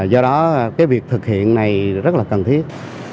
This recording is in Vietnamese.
do đó cái việc thực hiện này rất là cần thiết